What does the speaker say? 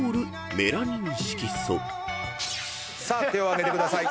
さあ手を挙げてください。